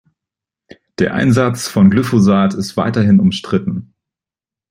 Der Einsatz von Glyphosat ist weiterhin umstritten.